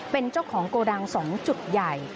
เป็นเจ้าของโกดัง๒จุดใหญ่